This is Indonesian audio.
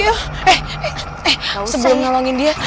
eh sebelum ngelongin dia